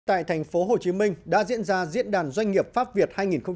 tại tp hcm đã diễn ra diễn đàn doanh nghiệp pháp việt hai nghìn một mươi sáu